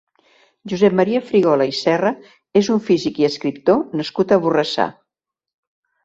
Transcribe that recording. Josep Maria Frigola i Serra és un físic i escriptor nascut a Borrassà.